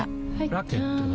ラケットは？